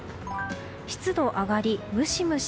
湿度上がり、ムシムシ。